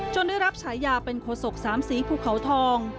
ได้รับฉายาเป็นโฆษกสามสีภูเขาทอง